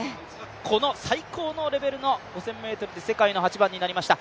この最高のレベルの５０００ｍで世界の８番になりました。